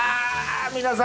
皆さん。